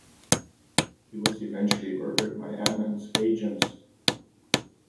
He was eventually murdered by Amin's agents.